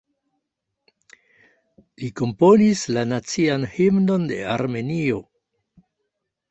Li komponis la Nacian Himnon de Armenio.